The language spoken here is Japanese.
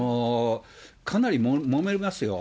かなりもめますよ。